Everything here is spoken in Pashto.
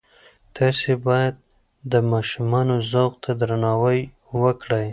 تاسې باید د ماشومانو ذوق ته درناوی وکړئ.